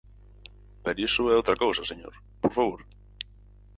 Pero iso é outra cousa, señor, ¡por favor!